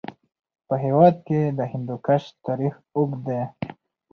په هېواد کې د هندوکش تاریخ اوږد دی.